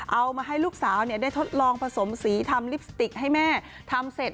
เอามาให้ลูกสาวได้ทดลองผสมสีทำลิปสติกให้แม่ทำเสร็จ